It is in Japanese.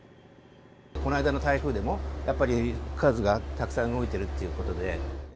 この間の台風でも、やっぱり、数がたくさん動いているっていうことで。